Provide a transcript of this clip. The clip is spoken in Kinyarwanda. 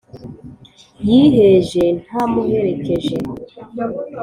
Yiheje ntamuherekeje